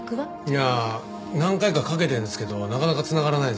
いや何回かかけてるんですけどなかなか繋がらないんですよね。